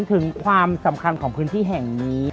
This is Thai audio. ถึงความสำคัญของพื้นที่แห่งนี้